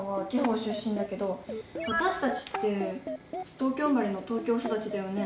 私たちって東京生まれの東京育ちだよね。